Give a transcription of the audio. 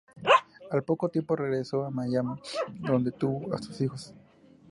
Al poco tiempo regresó a Miami, donde tuvo a sus hijos.